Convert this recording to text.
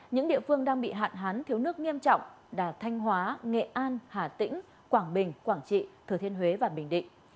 những địa phương đang bị hạn hán thiếu nước nghiêm trọng là thanh hóa nghệ an hà tĩnh quảng bình quảng trị thừa thiên huế và bình định